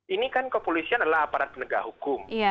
ini kan kepolisian adalah aparat penegak hukum